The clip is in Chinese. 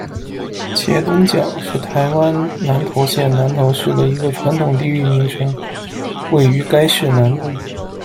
茄苳脚，是台湾南投县南投市的一个传统地域名称，位于该市南部。